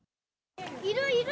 いる、いる！